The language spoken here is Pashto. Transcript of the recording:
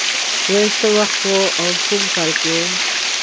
وای څه وخت و او کوم کوم کال و